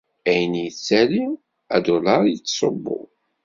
Ayin yettali, adular yettṣubbu.